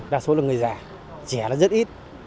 đa số là người già trẻ là rất ít